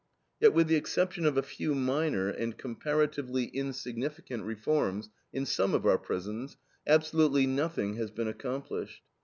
Yet with the exception of a few minor and comparatively insignificant reforms in some of our prisons, absolutely nothing has been accomplished.